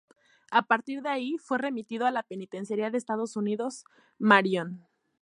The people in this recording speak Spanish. A partir de ahí, fue remitido a la Penitenciaría de Estados Unidos Marion.